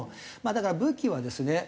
だから武器はですね